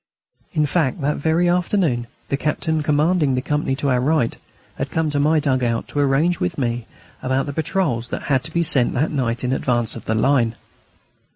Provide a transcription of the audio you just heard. In fact, that very afternoon the captain commanding the company to our right had come to my dug out to arrange with me about the patrols that had to be sent that night in advance of the line.